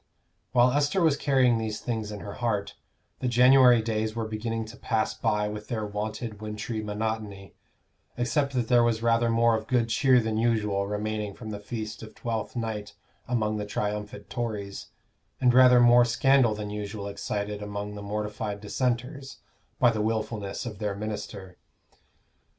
While Esther was carrying these things in her heart, the January days were beginning to pass by with their wonted wintry monotony, except that there was rather more of good cheer than usual remaining from the feast of Twelfth Night among the triumphant Tories, and rather more scandal than usual excited among the mortified Dissenters by the wilfulness of their minister.